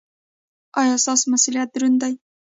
ایا ستاسو مسؤلیت دروند دی؟